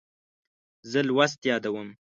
زه لوست یادوم.